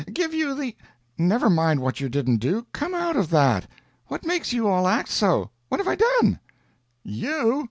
"Give you the " "Never mind what you didn't do come out of that! What makes you all act so? What have I done?" "You?